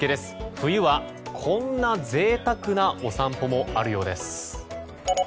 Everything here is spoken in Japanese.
冬はこんな贅沢なお散歩もあるようです。